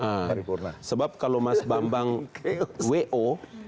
karena kalau mas bambang wo